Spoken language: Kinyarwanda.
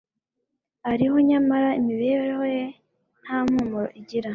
ariho, nyamara imibereho ye nta mpumuro igira